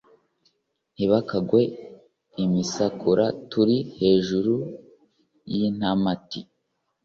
Ntibakangwe imisakura tuli hejuru y'intamati.